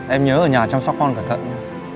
em nhớ ở nhà chăm sóc con cẩn thận nhá